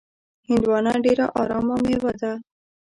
هندوانه ډېره ارامه میوه ده.